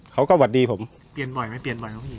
เขาก็วัดดีผมเปลี่ยนบ่อยมั้ยเปลี่ยนบ่อยเขาก็ไม่เห็น